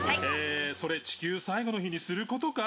「それ地球最後の日にする事か？」